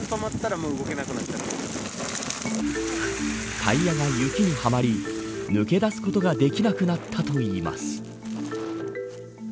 タイヤが雪にはまり抜け出すことができなくなったといいます。